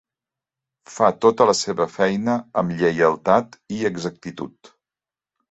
Fa tota la seva feina amb lleialtat i exactitud.